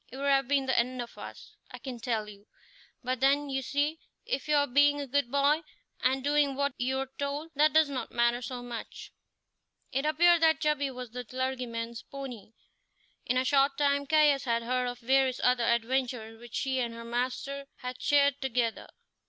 It would have been the end of us, I can tell you; but then, you see, if you are being a good boy and doing what you're told, that does not matter so much." It appeared that Chubby was the clergyman's pony. In a short time Caius had heard of various other adventures which she and her master had shared together.